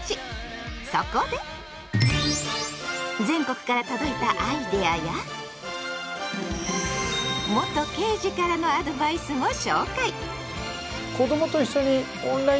そこで全国から届いたアイデアや元刑事からのアドバイスも紹介。